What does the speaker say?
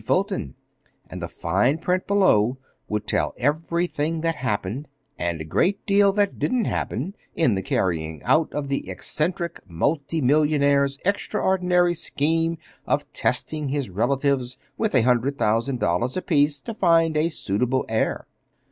Fulton, and the fine print below would tell everything that happened, and a great deal that didn't happen, in the carrying out of the eccentric multi millionaire's extraordinary scheme of testing his relatives with a hundred thousand dollars apiece to find a suitable heir.